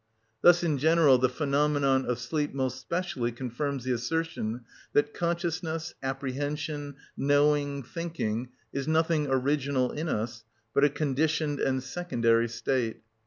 Thus in general the phenomenon of sleep most specially confirms the assertion that consciousness, apprehension, knowing, thinking, is nothing original in us, but a conditioned and secondary state.